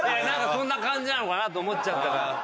なんかそんな感じなのかなと思っちゃったから。